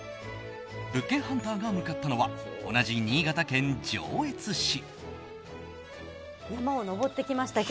物件ハンターが向かったのは同じ新潟県上越市。